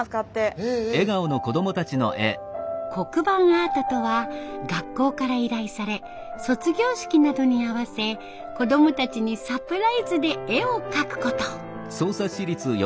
アートとは学校から依頼され卒業式などに合わせ子どもたちにサプライズで絵を描くこと。